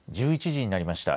１１時になりました。